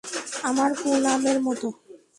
আমার পুনামের মতো।